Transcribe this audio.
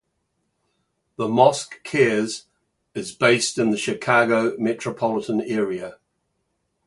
The Mosque Cares is based in the Chicago metropolitan area.